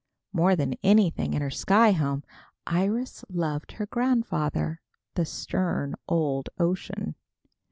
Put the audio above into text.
More than anything in her sky home, Iris loved her grandfather, the stern old ocean.